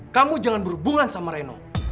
kamu jangan berhubungan sama reno